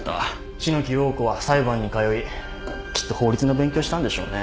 篠木瑤子は裁判に通いきっと法律の勉強したんでしょうね。